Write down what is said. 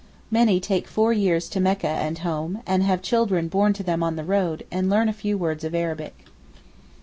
Many take four years to Mecca and home, and have children born to them on the road, and learn a few words of Arabic.